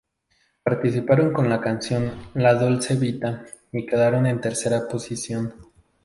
Participaron con la canción "La Dolce Vita" y quedaron en tercera posición.